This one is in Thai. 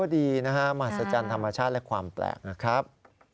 ดีนะฮะมหัศจรรย์ธรรมชาติและความแปลกนะครับ